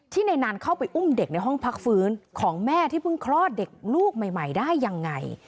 ในนานเข้าไปอุ้มเด็กในห้องพักฟื้นของแม่ที่เพิ่งคลอดเด็กลูกใหม่ได้ยังไง